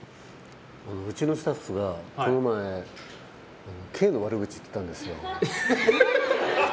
うちのスタッフがこの前、Ｋの悪口言ってたんです。